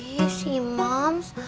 ih si mam